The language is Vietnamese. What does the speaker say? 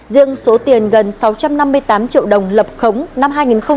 riêng số tiền gần sáu trăm năm mươi tám triệu đồng lập khống năm hai nghìn một mươi